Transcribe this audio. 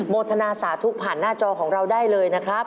โมทนาสาธุผ่านหน้าจอของเราได้เลยนะครับ